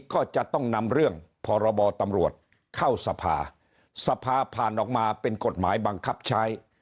ก็จะต้องนำเรื่องพรบตำรวจเข้าสภาสภาผ่านออกมาเป็นกฎหมายบังคับใช้